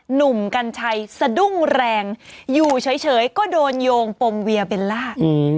หนุ่มกัญชัยสะดุ้งแรงอยู่เฉยก็โดนโยงปมเวียเบลล่า